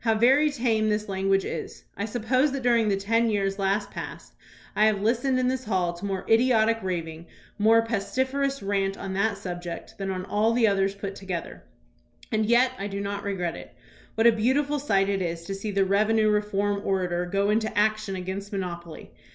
How very tame this lan guage is. I suppose that during the ten years last past I have listened in this hall to more idiotic raving, more pestiferous rant on that subject than on all the others put together. And yet I do not regret it. What a beautiful sight it is to see the revenue reform orator go into action against monopoly.